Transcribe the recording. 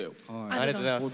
ありがとうございます。